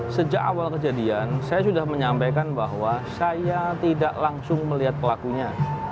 sejak awal kejadian saya sudah menyampaikan bahwa saya tidak langsung melihat pelakunya